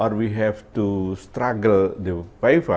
atau kita harus berjuang dengan fifa